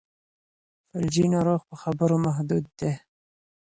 فلجي ناروغ په خبرو محدود دی.